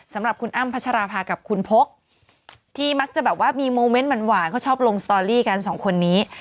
สำหรับคุณอ้ำพัชราภากับคุณพกที่มักจะแบบว่ามีโมเมนต์หวานเขาชอบลงสตอรี่กันสองคนนี้